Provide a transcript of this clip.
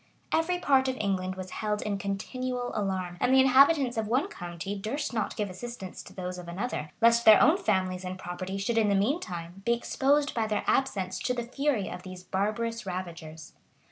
Every part of England was held in continual alarm; and the inhabitants of one county durst not give assistance to those of another, lest their own families and property should in the mean time be exposed by their absence to the fury of these barbarous ravagers.